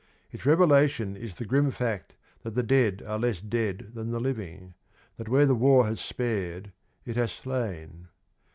Its revelation is the grim fact that the dead are less dead than the living, that where the war has spared it has slain.